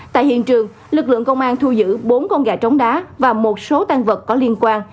tại hiện trường lực lượng công an thu giữ bốn con gà trống đá và một số tăng vật có liên quan